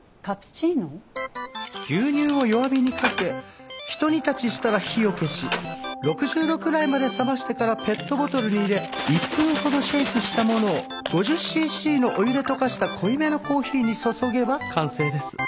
牛乳を弱火にかけひと煮立ちしたら火を消し６０度くらいまで冷ましてからペットボトルに入れ１分ほどシェイクしたものを５０シーシーのお湯で溶かした濃いめのコーヒーに注げば完成です。